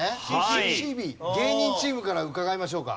芸人チームから伺いましょうか。